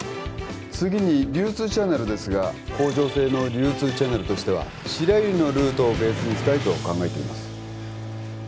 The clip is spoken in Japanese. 次に流通チャネルですが工場製の流通チャネルとしては白百合のルートをベースにしたいと考えています